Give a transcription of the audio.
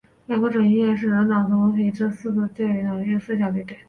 两个枕叶是人类脑颅皮质四对脑叶最小的一对。